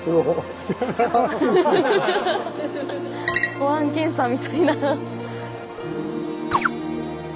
保安検査みたいな。